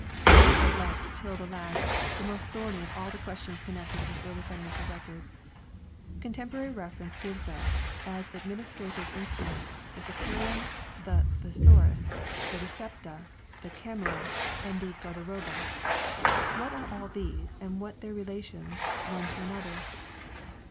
1 We have left till the last the most thorny of all the The "Cam questions connected with early financial records. Con ffsclc 1 ' temporary reference gives us, as administrative in canum". struments, the " Scaccarium," the "Thesaurus," the "Recepta," the " Camera," and the " Garderoba " What are all these and what their relations one to another?